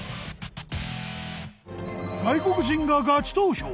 外国人がガチ投票！